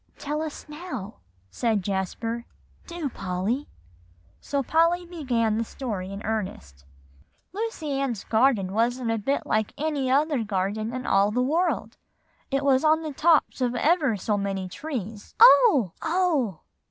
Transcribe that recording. "Tell us now," said Jasper; "do, Polly." So Polly began the story in earnest. "Lucy Ann's Garden wasn't a bit like any other garden in all the world; it was up on the tops of ever so many trees" "Oh, oh!"